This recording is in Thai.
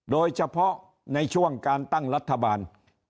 โดยเฉพาะในช่วงการตั้งรัฐบาล